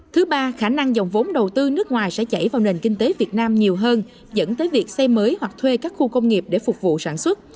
thứ ba khả năng dòng vốn đầu tư nước ngoài sẽ chảy vào nền kinh tế việt nam nhiều hơn dẫn tới việc xây mới hoặc thuê các khu công nghiệp để phục vụ sản xuất